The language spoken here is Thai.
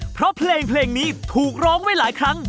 เพราะเพลงนี้ถูกร้องไว้หลายครั้ง